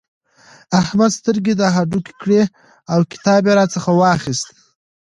احمد سترګې د هډوکې کړې او کتاب يې راڅخه واخيست.